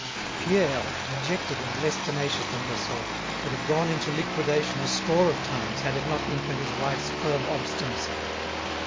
Pierre, dejected and less tenacious than herself, would have gone into liquidation a score of times had it not been for his wife's firm obstinacy.